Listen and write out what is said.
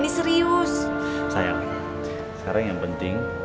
sekarang yang penting